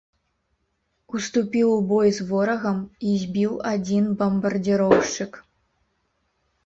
Уступіў у бой з ворагам і збіў адзін бамбардзіроўшчык.